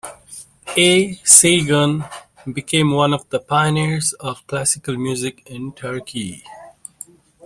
A. Saygun became one of the pioneers of classical music in Turkey.